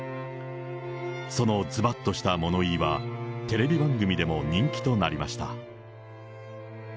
そのずばっとした物言いは、テレビ番組でも人気となりました。